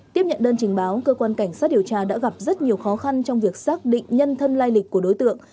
tiếp nhận đơn trình báo cơ quan cảnh sát điều tra đã gặp rất nhiều khó khăn trong việc xác định nhân thân lai lịch của đối tượng